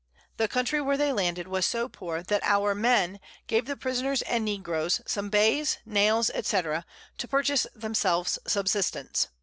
The Country where they landed was so poor, that our Men gave the Prisoners and Negroes, some Bays, Nails, &c. to purchase themselves Subsistance.